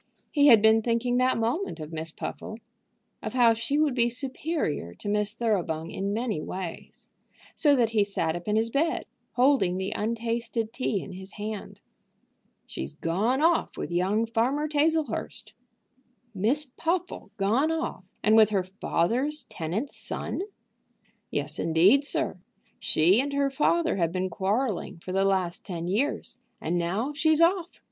He had been thinking that moment of Miss Puffle, of how she would be superior to Miss Thoroughbung in many ways, so that he sat up in his bed, holding the untasted tea in his hand. "She's gone off with young Farmer Tazlehurst." "Miss Puffle gone off, and with her father's tenant's son!" "Yes indeed, sir. She and her father have been quarrelling for the last ten years, and now she's off.